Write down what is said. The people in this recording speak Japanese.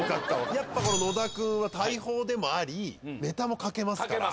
やっぱ野田君は大砲でもありネタも書けますから。